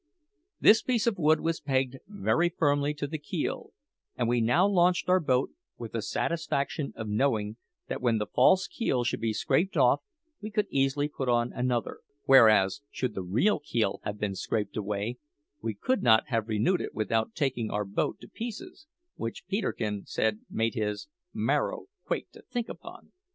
This piece of wood was pegged very firmly to the keel; and we now launched our boat with the satisfaction of knowing that when the false keel should be scraped off we could easily put on another, whereas, should the real keel have been scraped away, we could not have renewed it without taking our boat to pieces, which Peterkin said made his "marrow quake to think upon."